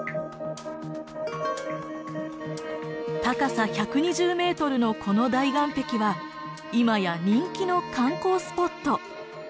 高さ１２０メートルのこの大岩壁は今や人気の観光スポット。